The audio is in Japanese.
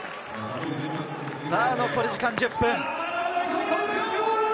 残り時間１０分。